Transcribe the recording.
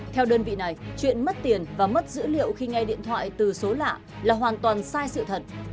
theo đơn vị này chuyện mất tiền và mất dữ liệu khi nghe điện thoại từ số lạ là hoàn toàn sai sự thật